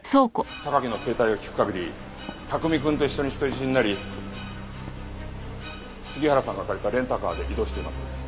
榊の携帯を聞く限り卓海くんと一緒に人質になり杉原さんが借りたレンタカーで移動しています。